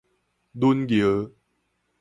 忍尿